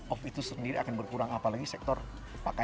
off itu sendiri akan berkurang apalagi sektor pakaian